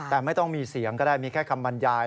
แต่ไม่ต้องมีเสียงก็ได้มีแค่คำบรรยาย